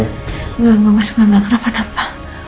enggak enggak mas kenapa